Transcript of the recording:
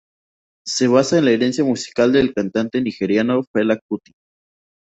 Se basa en la herencia musical del cantante nigeriano Fela Kuti.